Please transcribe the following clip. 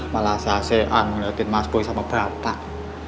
malah sasean ngeliatin mas boy sama bapak